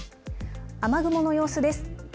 雨雲の様子です。